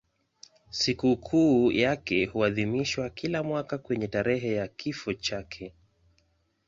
Sikukuu yake huadhimishwa kila mwaka kwenye tarehe ya kifo chake.